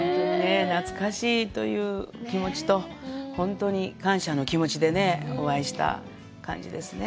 懐かしいという気持ちと、本当に感謝の気持ちでね、お会いした感じですね。